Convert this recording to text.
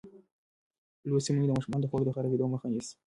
لوستې میندې د ماشومانو د خوړو د خرابېدو مخه نیسي.